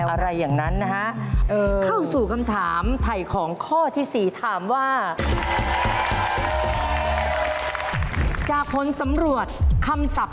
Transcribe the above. เหรอฮะทั้งคู่รู้พาสเวิร์ดซึ่งกันและกันไหมครับ